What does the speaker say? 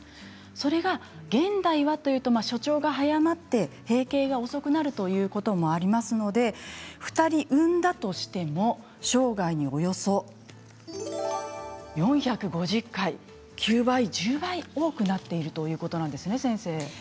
それが現代はというと初潮が早まって閉経が遅くなるということもありますので２人産んだとしても生涯におよそ４５０回、９倍１０倍多くなっているということなんですね。